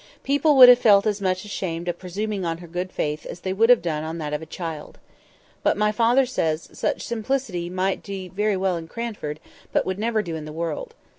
People would have felt as much ashamed of presuming on her good faith as they would have done on that of a child. But my father says "such simplicity might be very well in Cranford, but would never do in the world."